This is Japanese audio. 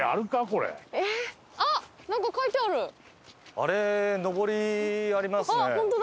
あれのぼりありますね。